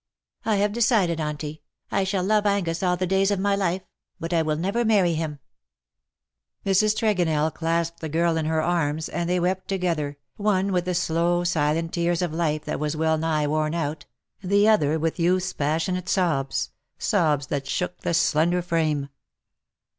I have decided. Auntie, I shall love Angus all the days of my life, but I will never marry him." Mrs. Tregonell clasped the girl in her arms, and LE SECRET DE POLICHINELLE. 263 they wept together, one with the slow silent tears of life that was well nigh worn out_, the other with youth^s passionate sobs — sobs that shook the slender frame.